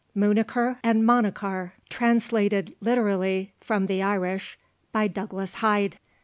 ] MUNACHAR AND MANACHAR. TRANSLATED LITERALLY FROM THE IRISH BY DOUGLAS HYDE.